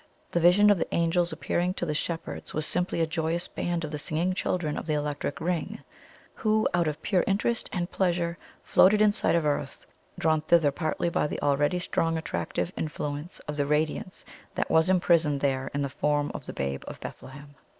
The vision of the angels appearing to the shepherds was simply a joyous band of the Singing Children of the Electric Ring, who out of pure interest and pleasure floated in sight of Earth, drawn thither partly by the already strong attractive influence of the Radiance that was imprisoned there in the form of the Babe of Bethlehem.